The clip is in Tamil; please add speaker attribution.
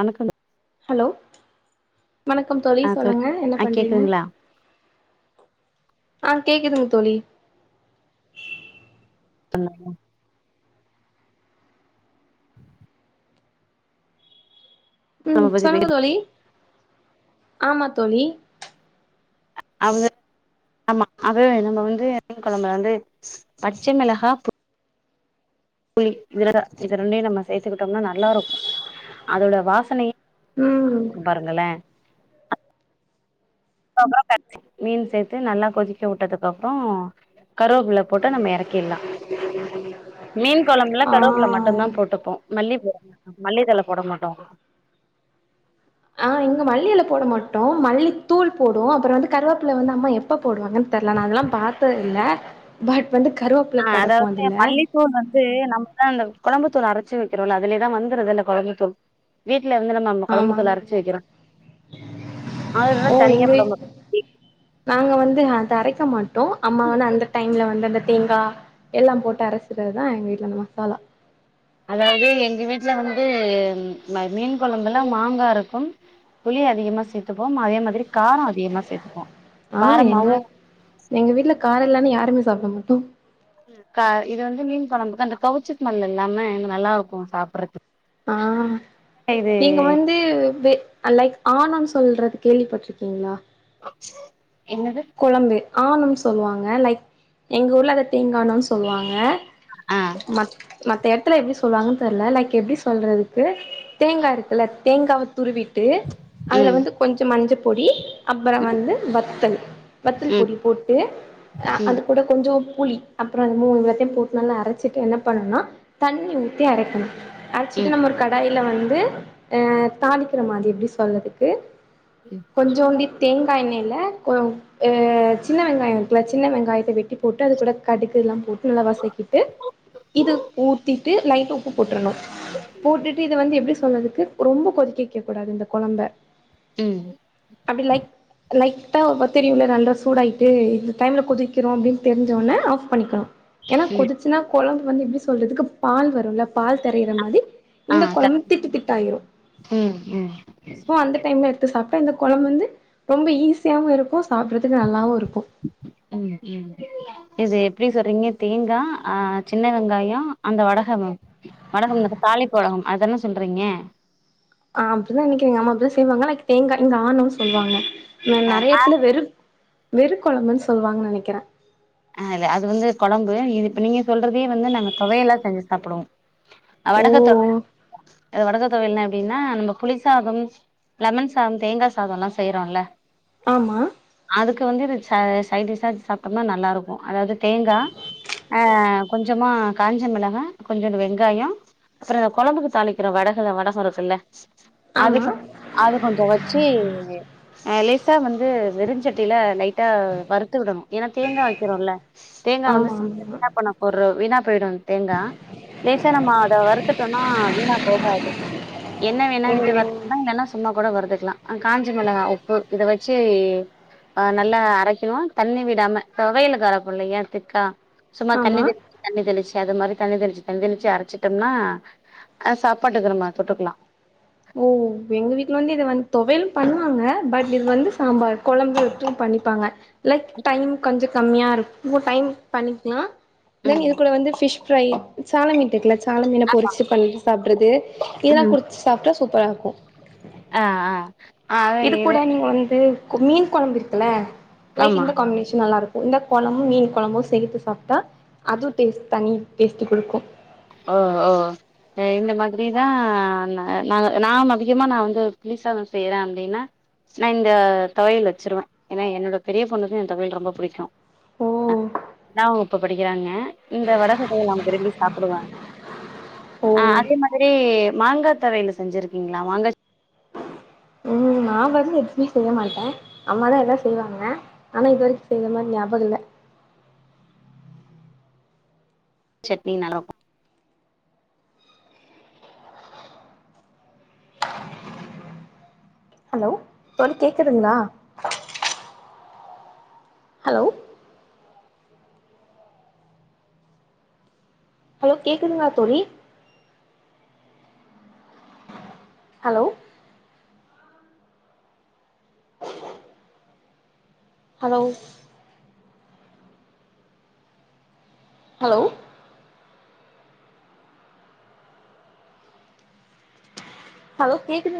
Speaker 1: வணக்கங்க
Speaker 2: ஹலோ வணக்கம் தோழி
Speaker 1: ஆ சொல்
Speaker 2: சொல்லுங்க என்ன
Speaker 1: ஆ
Speaker 2: பண்றீங்க
Speaker 1: கேக்குதுங்களா
Speaker 2: ஆ கேக்குதுங்க தோழி
Speaker 1: சலாமா
Speaker 2: ம்
Speaker 1: நம்ம பத்தி பே
Speaker 2: சொல்லுங்க தோழி ஆமா தோழி
Speaker 1: அவ்ங்க ஆமா அது நம்ம வந்து மீன் கொழம்ப வந்து பச்ச மிளஹா புளி, மிளகா இத ரெண்டையு நம்ம சேத்துகிட்டம்னா நல்லாருக்கு அதோட வாசனயே
Speaker 2: ம்
Speaker 1: [inaudible] பாருங்களே மீன் சேத்து நல்லா கொதிக்க உட்டதுக்கப்றோ கருவேப்பில்ல போட்டு நம்ம எறக்கீர்லா
Speaker 2: உஹ
Speaker 1: மீன் கொழம்புல கருவேப்பில மட்டுந்தா போட்டுப்போ மல்லி போட மாட்டோ மல்லி தழ போட மாட்டோ
Speaker 2: ஆ இங்க மல்லி எல போட மாட்டோ மல்லி தூள் போடுவோ அப்பறோ வந்து கருவேப்பில வந்து அம்மா எப் எப்ப போடுவாங்கன்னு தெரல நா அதெல்லா பாத்தது இல்ல பட் வந்து கருவ
Speaker 1: ஆ அதாவ மல்லி தூள் வந்து நம்ம தா அந்த கொழம்புத்தூள் அரைச்சு வெக்கிறோல்ல அதுலயேதா வந்துருது இல்ல கொழம்புத்தூள் வீட்டுல வந்து நம்ம கொழம்புத்தூள்
Speaker 2: ஆமாங்க
Speaker 1: அரைச்சு வெக்கிறோ அதுல என்ன
Speaker 2: ஓ
Speaker 1: தனியா
Speaker 2: எங்க வீட்
Speaker 1: போடம்பு
Speaker 2: நாங்க வந்து அத அரைக்க மாட்டோ அம்ம வந்து அந்த டைம்ல வந்து அந்த தேங்கா எல்லா போட்டு அரைசுறதுதா எங்க வீட்டுல அந்த மசாலா
Speaker 1: அதாவது எங்க வீட்டுல வந்து மீன் கொழம்புல மாங்கா இருக்கும் புளி அதிகமா சேர்த்துப்போம் அதே மாதிரி காரம் அதிகமா சேத்துப்போ
Speaker 2: ஆ எங்க
Speaker 1: காரமாவு
Speaker 2: எங்க வீட்டுல காரோ இல்லேனா யாருமே சாப்பிட மாட்டோ
Speaker 1: கா இது வந்து மீன் கொழம்பு தான அந்த கவுச்சி ஸ்மெல் இல்லாம நல்லா இருக்கு சாப்பிடடுறதுக்கு
Speaker 2: ஆ நீங்க வந் து வே லைக் ஆனோனு சொல்றது கேள்விப்பட்டிருக்கீங்களா
Speaker 1: என்னது
Speaker 2: கொழம்பு ஆணும்ன்னு சொல்லுவாங்க லைக் எங்க ஊர்ல அதை தேங்கானும்ன்னு சொல்லுவாங்க
Speaker 1: ஆ
Speaker 2: ம மத்த எடத்துல எப்படி சொல்லுவாங்கன்னு தெரியல லைக் எப்படி சொல்றதுக்கு தேங்கா இருக்குல்ல தேங்கா துருவிட்டு அதில
Speaker 1: ம்
Speaker 2: வந்து கொஞ்சு மஞ்ச பொடி அப்புறோ
Speaker 1: ம்
Speaker 2: வந்து வத்தல் வத்தல்
Speaker 1: ம்
Speaker 2: பொடி போட்டு ஆ அது
Speaker 1: ம்
Speaker 2: கூட கொஞ்சு புளி அப்புறோ மூணு வாட்டி போட்டு அரைச்சிட்டு என்ன பண்ணணும்னா தண்ணி ஊத்தி அரைக்கணு
Speaker 1: ம்
Speaker 2: அரைச்சுட்டு நம்ம ஒரு கடாயில வந்து அ தாளிக்கிற மாரி எப்படி சொல்றதுக்கு
Speaker 1: ம்
Speaker 2: கொஞ்சோண்டி தேங்காய் எண்ணெயில கோ ஆ சின்ன வெங்காயம் இருக்குல சின்ன வெங்காயத்த வெட்டி போட்டு அது கூட கடுக்கு எல்லா போட்டு நல்லா வசக்கிட்டு இது ஊத்திட்டு லைட்டா உப்பு போட்டுறணு போட்டுட்டு இத வந்து எப்படி சொன்னதுக்கு ரொம்ப கொதிக்க வைக்க கூடாது இந்த கொழம்ப
Speaker 1: உம்
Speaker 2: அப்படி லைட் லைட்டா வந்து [unintelligible] நல்ல சூடாயிட்டு இந்த டைம்ல கொதிக்கிறோ அப்படின்னு தெரிசவொடனே ஆஃப் பண்ணிக்கணு ஏன்னா
Speaker 1: ம்
Speaker 2: கொதிச்சுன்னா கொழம்பு வந்து எப்படி சொல்றதுக்கு பால் வருல்ல பால் தெரையிற மாரி
Speaker 1: ஆ
Speaker 2: இந்த
Speaker 1: த
Speaker 2: கொழம்பு திட்டு திட்டு ஆயிரு
Speaker 1: ம் ம்
Speaker 2: சோ அந்த டைம்ல இரு சாப்பிட்டா இந்த கொளம்பு வந்து ரொம்ப ஈஸியாகவு இருக்கு சாப்பிடறதுக்கு நல்லாவு இருக்கு
Speaker 1: உம் உம் இது எப்படி சொல்றீங்க தேங்கா ஆ சின்ன வெங்காயோ அந்த வடகமு வடகம் அந்த தாளிப்பு வடகம் அதுதான சொல்றீங்க
Speaker 2: ஆ அப்படிதா இன்னிக்கு எங்க அம்மா அப்படிதா செய்வாங்க லைக் தேங்கா இங்க ஆணும்ன்னு சொல்லுவாங்க ந
Speaker 1: ஆ
Speaker 2: நெறைய எடத்துல வெறு வெறு கொழம்புன்னு சொல்லுவாங்கன்னு நெனைக்கிறே
Speaker 1: ஆ இல்ல அது வந்து கொழம்பு இது இப்ப நீங்க சொல்றதே வந்து நாங்க தொவையலா செஞ்சி சாப்புடுவோ வடகத்தொவ
Speaker 2: ஓ
Speaker 1: வடகதொவையல்னா எப்டி எப்படின்னா நம்ம புளி சாதம் லமன் சாதம் தேங்கா சாதோல்ல செய்றோம்ல
Speaker 2: ஆமா
Speaker 1: அதுக்கு வந்து இத சை சைடிஷா வச்சு சாப்பிட்டம்னா நல்லா இருக்கு அதாவது தேங்கா ஆ கொஞ்சமா காஞ்ச மிளகா கொஞ்சோன்டு வெங்காயோ அப்புறோ கொழம்புக்கு தாளிக்கிற வடக வடகோ இருக்குல்ல அது
Speaker 2: ஆமா
Speaker 1: கொ அது கொஞ்சு வச்சி அ லேசா வந்து வெருஞ்சட்டில லைட்டா வறுத்து விடணு ஏனா வைக்கிரோல தேங்கா வந்து
Speaker 2: ஆமா
Speaker 1: சீ வீணா போன பொருள் வீணா போய்டு தேங்கா லேசா நம்ம அத வறுத்துட்டோனா வீணா போகாது என்ன வேணா விட்டு
Speaker 2: ஆமா
Speaker 1: வறுத் இல்லனா சு சும்மா கூட வருதுக்லா அ காஞ்ச மெளகா உப்பு இத வச்சி ஆ நல்லா அரைக்கிணு தண்ணி விடாம தொவையலுக்கு அரப்போல்லயா திக்கா சும்மா தண்ணி
Speaker 2: ஆமா
Speaker 1: தெளி தண்ணி தெளிச்சு அது மாரி தண்ணி தெளிச்சு தண்ணி தெளிச்சு அரச்சிட்டம்னா சாப்பாட்டுக்கு நம்ம தொட்டுக்லா
Speaker 2: ஓ எங்க வீட்ல வந்து இது வந்து தொவையிலுமா பண்ணுவாங்க பட் இது வந்து சாம்பார் குழம்பு பண்ணிப்பாங்க லைக் டைம் கொஞ்ச கம்மியாருக் ஒரு டைம் பண்ணிக்லா தென்
Speaker 1: ம்
Speaker 2: இது கூட வந்து ஃபிஷ் ஃப்ரை சால மீன் இருக்குல சாலமீன
Speaker 1: ஆமா
Speaker 2: பொறிச்சு பண்ணி சாப்ட்றது இதல்லா
Speaker 1: ம்
Speaker 2: குடிச்சு சாப்ட்டா சு ப்பரா இருக்கூ
Speaker 1: ஆ ஆ
Speaker 2: இது கூட நீங்க வந்து மீன் கொழம்பு இருக்குல்ல லைக்
Speaker 1: ஆமா
Speaker 2: இந்த காம்பினேஷன் நல்லா இருக் இந்த கொழம்பும் மீன் கொழம்பு சேத்து சாப்ட்டா அது டேஸ்ட் தனி டேஸ்டி குடுக்கூ
Speaker 1: ஓ ஓ அ இந்த மாதிரிதா நா நாங்க நான் அதிகமா நா வந்து புளிசாதோ செய்ற அப்டின்னா நா இந்த தொவயல் வச்சிருவ ஏன்னா என்னோட பெரிய பொண்ணுக்கு என் தொவையல் ரொம்ப புடிக்கூ
Speaker 2: ஓ
Speaker 1: த்தாம் வகுப்பு படிக்கிறாங்க இந்த வடக தொவயல் அவுங்க விரும்பி சாப்டா புடுவாங்க அ
Speaker 2: ஓ
Speaker 1: அதே மாதிரி மாங்கா தொவயல் செஞ்சிறிகிங்ளா மாங்க
Speaker 2: ம் நா வந்து எதுமே செய்ய மாட்ட அம்மாதா எல்லா செய்வாங்க ஆனா இதுவரைக்கு செய்தமாரி ஞாயபகம் இல்ல
Speaker 1: சட்னி நல்லாக்கூ
Speaker 2: ஹலோ தோழி கேக்குதுங்ளா ஹலோ ஹலோ கேக்குதுங்ளா தோழி ஹலோ ஹலோ ஹலோ ஹலோ கேக்குதுங்